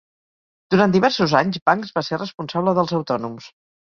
Durant diversos anys Banks va ser responsable dels autònoms.